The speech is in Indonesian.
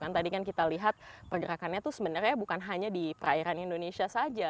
tadi kan kita lihat pergerakannya itu sebenarnya bukan hanya di perairan indonesia saja